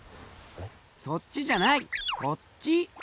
そっちじゃないこっち！